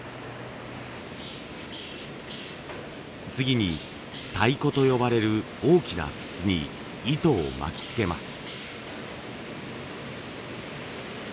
次に「太鼓」と呼ばれる大きな筒に糸を巻きつけます。